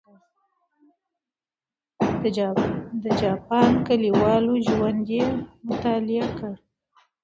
د جاپان کلیوالو ژوند یې مطالعه کړ.